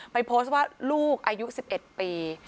ไปโพสต์ว่าลูกอายุ๑๑ปี